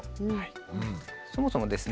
そもそもですね